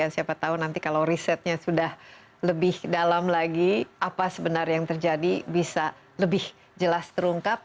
siapa tahu nanti kalau risetnya sudah lebih dalam lagi apa sebenarnya yang terjadi bisa lebih jelas terungkap